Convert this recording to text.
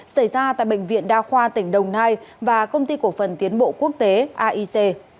xảy ra tại bệnh viện đa khoa tỉnh đồng nai và công ty cổ phần tiến bộ quốc tế aic